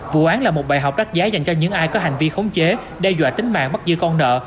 vụ án là một bài học đắt giá dành cho những ai có hành vi khống chế đe dọa tính mạng bắt giữ con nợ